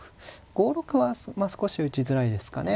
５六は少し打ちづらいですかね。